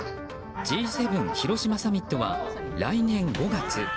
Ｇ７広島サミットは来年５月。